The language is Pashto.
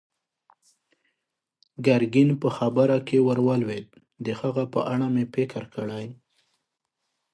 ګرګين په خبره کې ور ولوېد: د هغه په اړه مې فکر کړی.